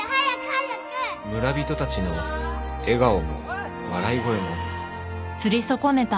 村人たちの笑顔も笑い声も